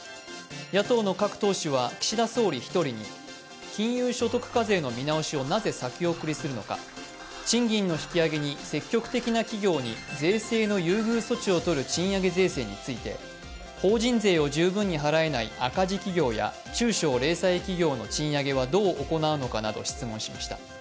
野党の各党首は岸田総理１人に金融所得課税の見直しをなぜ先送りするのか、賃金の引き上げに積極的な企業に税制の優遇措置をとる賃上げ税制について、法人税を十分に払えない赤字企業や中小零細企業の賃上げはどう行うのかなど質問しました。